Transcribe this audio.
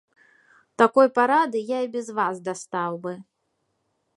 Такой парады я і без вас дастаў бы.